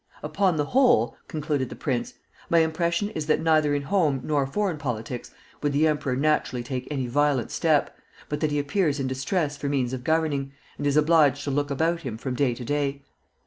"Upon the whole," concluded the prince, "my impression is that neither in home nor foreign politics would the emperor naturally take any violent step, but that he appears in distress for means of governing, and is obliged to look about him from day to day.